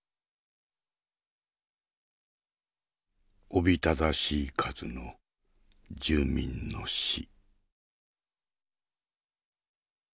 おびただしい数の住民の死。